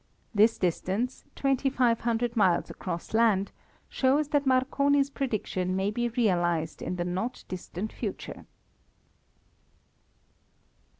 This distance, twenty five hundred miles across land, shows that Marconi's prediction may be realized in the not distant future.